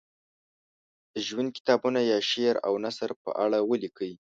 د ژوند کتابونه یا شعر او نثر په اړه ولیکي.